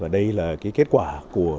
đây là kết quả của